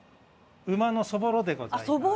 馬のそぼろでございます。